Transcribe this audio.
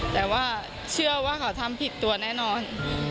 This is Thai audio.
แต่ว่าเชื่อว่าเขาทำผิดตัวแน่นอน